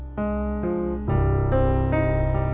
malin jangan lupa